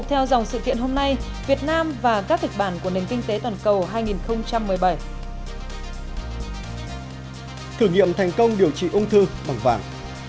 thử nghiệm thành công điều trị ung thư bằng vàng